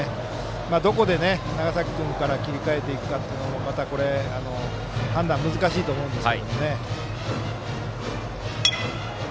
どこで長崎君から切り替えていくかというのもまたこれは判断難しいと思います。